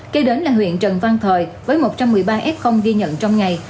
kế đến là huyện trần văn thời với một trăm một mươi ba f ghi nhận trong ngày